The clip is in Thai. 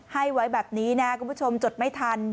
๐๗๔๓๒๘๑๑๒ให้ไว้แบบนี้นะคุณผู้ชมจดไม่ทัน